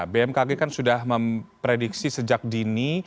bmkg kan sudah memprediksi sejak dini